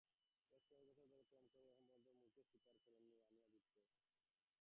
বেশ কয়েক বছর ধরে প্রেম করলেও এখন পর্যন্ত মুখে স্বীকার করেননি রানী-আদিত্য।